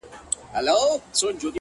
د خوار د ژوند كيسه ماتـه كړه ـ